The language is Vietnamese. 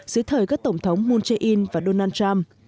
dưới thời các tổng thống moon jae in và donald trump